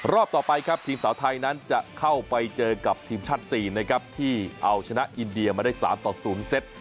รอบต่อไปครับทีมสาวไทยนั้นจะเข้าไปเจอกับทีมชาติจีนนะครับที่เอาชนะอินเดียมาได้๓ต่อ๐เซต